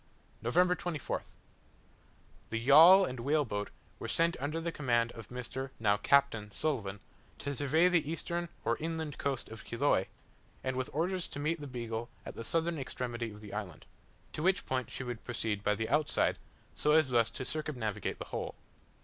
November 24th. The yawl and whale boat were sent under the command of Mr. (now Captain) Sulivan, to survey the eastern or inland coast of Chiloe; and with orders to meet the Beagle at the southern extremity of the island; to which point she would proceed by the outside, so as thus to circumnavigate the whole.